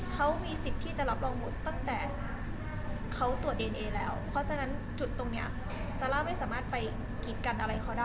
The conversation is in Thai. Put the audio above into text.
เขามีสิทธิ์ที่จะรับรองหมดตั้งแต่เขาตรวจดีเอนเอแล้วเพราะฉะนั้นจุดตรงเนี้ยซาร่าไม่สามารถไปกีดกันอะไรเขาได้